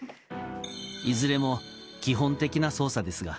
いずれも基本的な操作ですが。